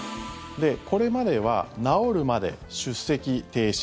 これまでは治るまで出席停止。